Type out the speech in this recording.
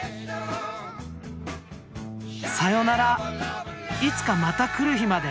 さよならいつかまた来る日まで。